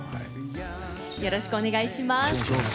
よろしくお願いします。